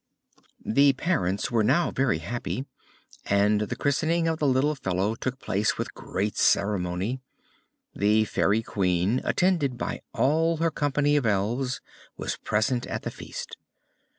The parents were now very happy, and the christening of the little fellow took place with great ceremony. The Fairy Queen, attended by all her company of elves, was present at the feast.